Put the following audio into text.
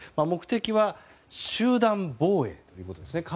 目的は集団防衛ということです。